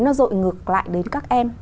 nó dội ngược lại đến các em